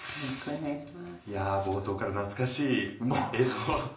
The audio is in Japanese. いや冒頭から懐かしい映像。